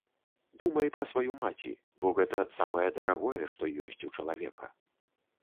Думай пра сваю маці, бо гэта самае дарагое, што ёсць у чалавека.